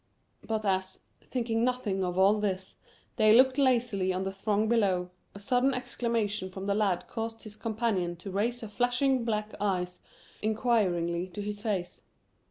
But as, thinking nothing of all this, they looked lazily on the throng below, a sudden exclamation from the lad caused his companion to raise her flashing black eyes inquiringly to his face.